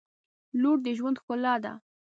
• لور د ژوند ښکلا ده.